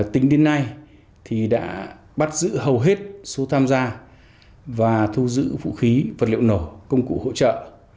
tính đến nay thì đã bắt giữ hầu hết số tham gia và thu giữ vật liệu nổ công cụ hỗ trợ